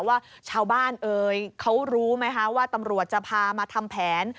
ว่าชาวบ้านเอ่ยเขารู้ไหมคะว่าตำรวจจะพามาทำแผน